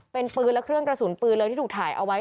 เป็นปืนและเครื่องกระสุนปืนเลยที่ถูกถ่ายเอาไว้